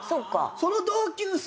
その同級生